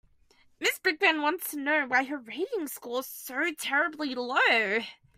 Mrs Brickman wants to know why her rating score is so terribly low.